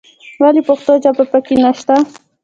ولې پښتو ژبه په کې نه شته.